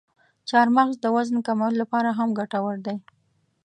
چارمغز د وزن کمولو لپاره هم ګټور دی.